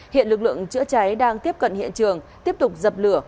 hiện lực lượng chữa cháy đang tiếp cận hiện trường tiếp tục dập lửa